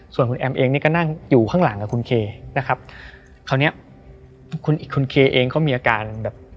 ส่วนคุณแอมเองนี่ก็นั่งอยู่ข้างหลังกับคุณเคนะครับคราวเนี้ยคุณอีกคุณเคเองก็มีอาการแบบ